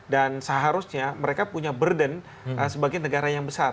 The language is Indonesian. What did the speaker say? dan seharusnya mereka punya burden sebagai negara yang besar